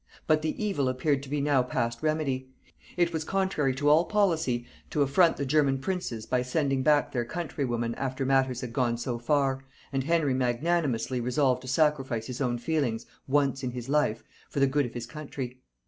But the evil appeared to be now past remedy; it was contrary to all policy to affront the German princes by sending back their countrywoman after matters had gone so far, and Henry magnanimously resolved to sacrifice his own feelings, once in his life, for the good of his country.